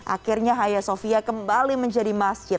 akhirnya haya sofia kembali menjadi masjid